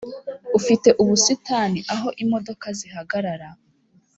Ufite ubusitani aho imodoka zihagarara.